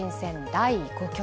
第５局。